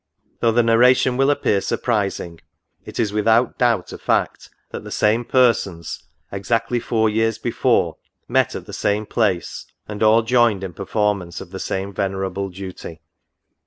Though the narration will appear surprising, it is without doubt a fact, that the same persons, 64. NOTES. exactly four years before, met at the same place, and all joined in performance of the same venerable duty."